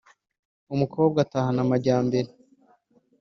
Umukobwa atahana amajyambere